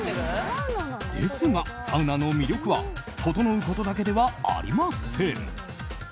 ですが、サウナの魅力はととのうことだけではありません。